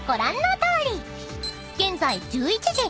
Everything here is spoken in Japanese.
［現在１１時。